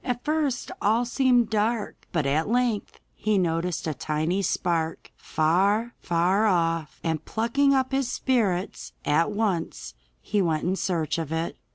At first all seemed dark, but at length he noticed a tiny spark far, far off, and, plucking up his spirits, he at once went in search of it.